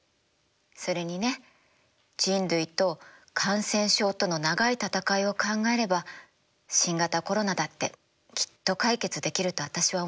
それにね人類と感染症との長い闘いを考えれば新型コロナだってきっと解決できると私は思うな。